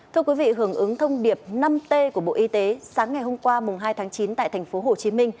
thưa quý vị hưởng ứng thông điệp năm t của bộ y tế sáng ngày hôm qua hai tháng chín tại tp hcm